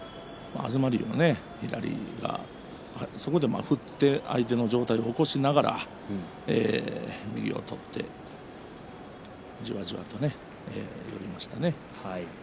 東龍の左が入ってそこで振って相手の上体を起こしながら右を取ってじわじわといきましたね。